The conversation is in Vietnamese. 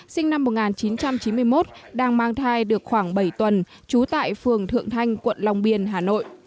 sinh năm một nghìn chín trăm chín mươi một đang mang thai được khoảng bảy tuần trú tại phường thượng thanh quận long biên hà nội